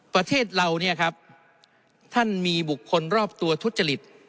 ประเทศเราเนี่ยครับท่านมีบุคคลรอบตัวทุจริต